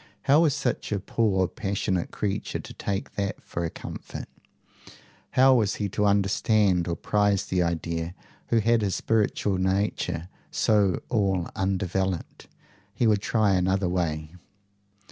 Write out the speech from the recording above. How was such a poor passionate creature to take that for a comfort? How was he to understand or prize the idea, who had his spiritual nature so all undeveloped? He would try another way.